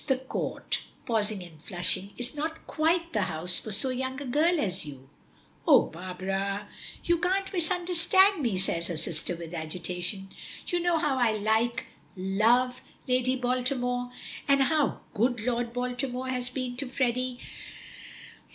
The Court," pausing and flushing, "is not quite the house for so young a girl as you." "Oh Barbara!" "You can't misunderstand me," says her sister with agitation. "You know how I like, love Lady Baltimore, and how good Lord Baltimore has been to Freddy.